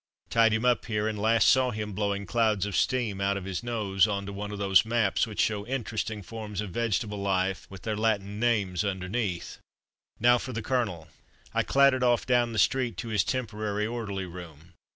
Tied him up here, and last saw him blowing clouds of steam out of his nose on to one of those maps which show interesting forms of vegetable life with their Latin names underneath. Now for the Colonel. I clattered off down the street to his temporary orderly room.